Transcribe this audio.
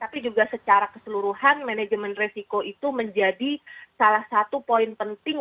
tapi juga secara keseluruhan manajemen resiko itu menjadi salah satu poin penting